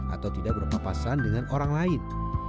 atau tidak berpapasan dengan orang lain